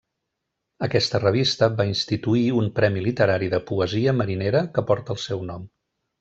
Aquesta revista va instituir un premi literari de poesia marinera que porta el seu nom.